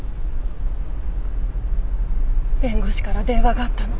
弁護士から電話があったの。